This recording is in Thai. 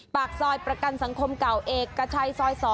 ปากซอยประกันสังคมเก่าเอกชัยซอย๒